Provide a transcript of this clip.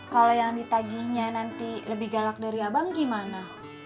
kalau yang ditaginya nanti lebih galak dari abang gimana